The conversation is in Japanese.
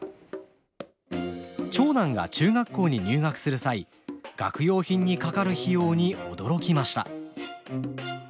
長男が中学校に入学する際学用品にかかる費用に驚きました。